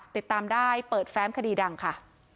ติดตามได้เปิดแฟ้มคดีดังค่ะ